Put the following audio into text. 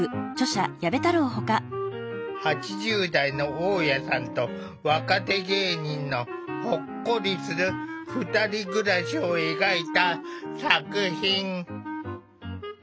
８０代の大家さんと若手芸人のほっこりする２人暮らしを描いた作品。